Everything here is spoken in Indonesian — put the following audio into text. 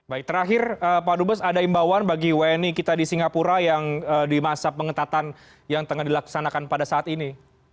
baik terakhir pak dubes ada imbauan bagi wni kita di singapura yang di masa pengetatan yang tengah dilaksanakan pada saat ini